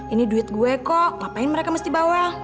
ini duit gue kok ngapain mereka mesti bawa